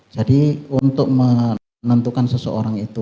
jadi untuk menentukan seseorang itu